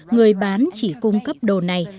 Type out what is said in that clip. người bán chỉ cung cấp đồ này